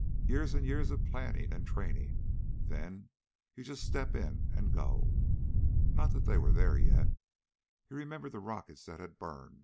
Years and years of planning and training; then you just step in and go. Not that they were there yet. He remembered the rockets that had burned